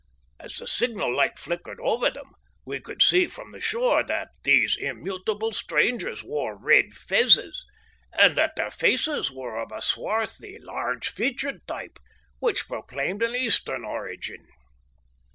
As the signal light flickered over them, we could see from the shore that these immutable strangers wore red fezes, and that their faces were of a swarthy, large featured type, which proclaimed an Eastern origin.